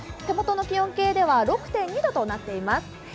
手元の気温計では６．２度となっています。